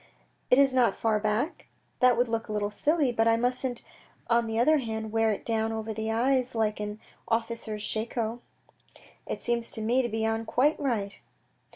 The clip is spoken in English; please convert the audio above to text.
" It is not too far back ? That would look a little silly, but I musn't on the other hand wear it down over the eyes like an officer's shako." " It seems to me to be on quite right."